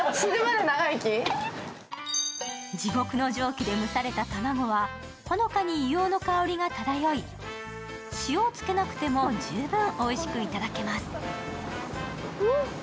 地獄の蒸気で蒸された卵はほのかに硫黄の香りが漂い、塩をつけなくても十分おいしく頂けます。